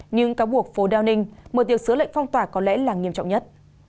nhưng cáo buộc phố downing mở tiệc sửa lệnh phong tỏa có lẽ là nghiêm trọng nhất